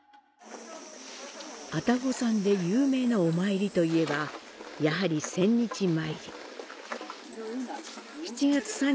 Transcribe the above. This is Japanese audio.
「あたごさん」で有名なお詣りといえば、やはり千日詣。